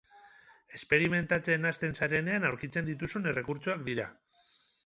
Esperimentatzen hasten zarenean aurkitzen dituzun errekurtsoak dira.